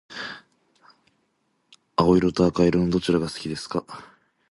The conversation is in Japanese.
青色と赤色のどちらが好きですか？